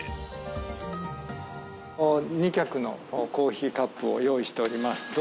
２脚のコーヒーカップを用意しております。